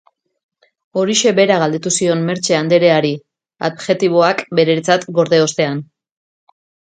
Horixe bera galdetu zion Mertxe andereari, adjektiboak beretzat gorde ostean.